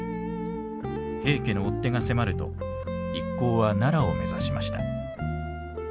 平家の追っ手が迫ると一行は奈良を目指しました。